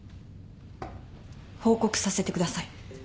報告させてください。